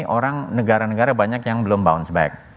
orang negara negara banyak yang belum bounce back